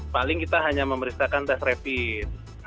paling kita hanya memeriksakan tes rapid